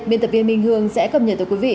biên tập viên minh hương sẽ cập nhật tới quý vị